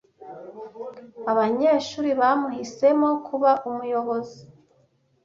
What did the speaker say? Abanyeshuri bamuhisemo kuba umuyobozi.